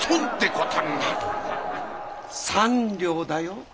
３両だよ。